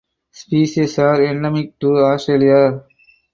Species are endemic to Australia.